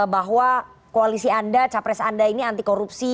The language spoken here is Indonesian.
bahwa koalisi anda capres anda ini anti korupsi